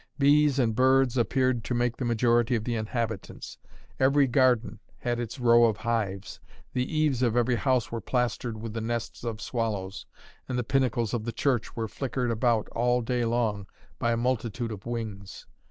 Bees and birds appeared to make the majority of the inhabitants; every garden had its row of hives, the eaves of every house were plastered with the nests of swallows, and the pinnacles of the church were flickered about all day long by a multitude of wings.